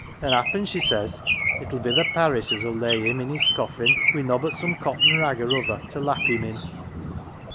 An' happen,' she says, ' it'll be th' Parish as 'ull lay him in's coffin, wi' nobbut some cotton rag or other to lap him in.